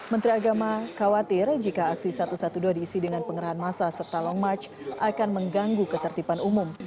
menteri agama khawatir jika aksi satu ratus dua belas diisi dengan pengerahan masa serta long march akan mengganggu ketertiban umum